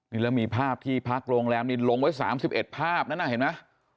นี่แล้วมีภาพที่พักโรงแรมนี้ลงไว้๓๑ภาพนั้นน่ะเห็นไหม